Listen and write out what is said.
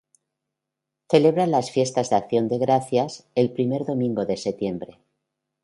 Celebra las Fiestas de Acción de Gracias el primer domingo de septiembre.